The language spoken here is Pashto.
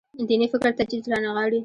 دیني فکر تجدید رانغاړي.